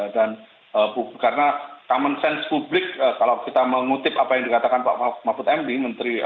dan karena common sense publik kalau kita mengutip apa yang dikatakan pak mahfud md menteri